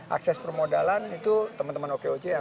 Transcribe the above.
akses permodalan itu teman teman okoc yang